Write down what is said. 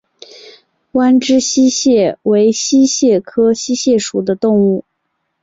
弯肢溪蟹为溪蟹科溪蟹属的动物。